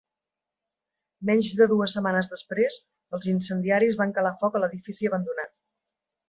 Menys de dues setmanes després, els incendiaris van calar foc a l'edifici abandonat.